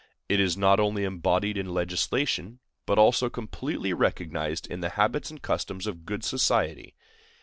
It is not only embodied in legislation, but also completely recognized in the habits and customs of good society.